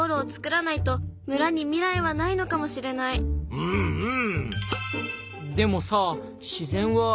うんうん！